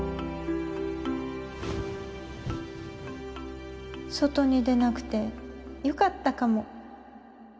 心の声外に出なくてよかったかも。